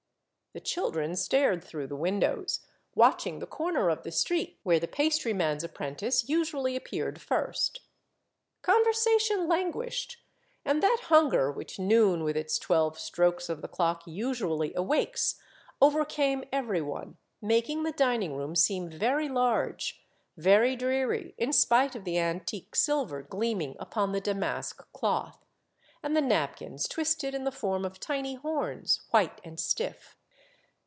The children stared through the windows, watching the corner of the street where the pastry man's appren tice usually appeared first. Conversation lan guished, and that hunger which noon with its twelve strokes of the clock usually awakes over came every one, making the dining room seem very large, very dreary, in spite of the antique silver gleaming upon the damask cloth, and the napkins twisted in the form of tiny horns, white and stiff.